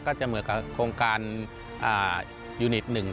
ก็จะเหมือนกับโครงการยูนิตหนึ่ง